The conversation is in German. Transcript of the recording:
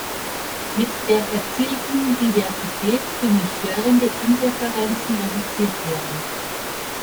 Mit der erzielten Diversität können störende Interferenzen reduziert werden.